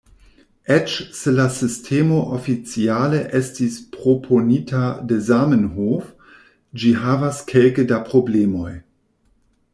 Eĉ se la sistemo oficiale estis proponita de Zamenhof, ĝi havas kelke da problemoj.